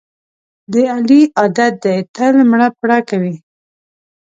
د علي عادت دی تل مړه پړه کوي.